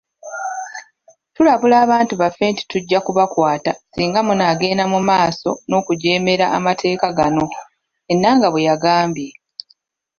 “Tulabula abantu baffe nti tujja kubakwata singa munaagenda mumaaso n'okujeemera amateeka gano,” Enanga bweyagambye.